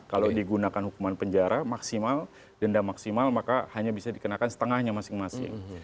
kalau digunakan hukuman penjara maksimal denda maksimal maka hanya bisa dikenakan setengahnya masing masing